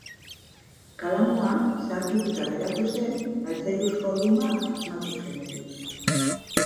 Kalamua, zaharkitua geratu zen altzairuzko luma asmatu zenean.